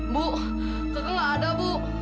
bu kakak ada bu